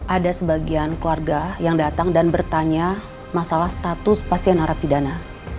ada sebagian keluarga yang datang dan bertanya masalah status pasien narapidana